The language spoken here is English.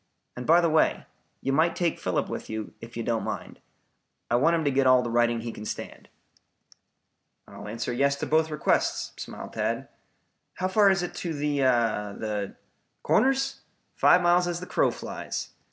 And by the way, you might take Philip with you, if you don't mind. I want him to get all the riding he can stand." "I'll answer yes to both, requests," smiled Tad. "How far is it to the the " "Corners? Five miles as the crow flies.